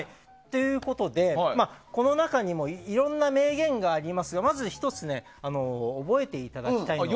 この中にもいろんな名言がありますがまず１つ覚えていただきたいのが